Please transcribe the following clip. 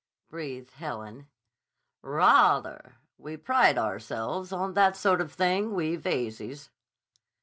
breathed Helen. "Rah ther. We pride ourselves on that sort of thing, we Veyzes."